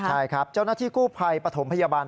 ใช่ครับเจ้าหน้าที่กู้ภัยปฐมพยาบาล